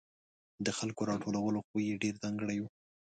د خلکو راټولولو خوی یې ډېر ځانګړی و.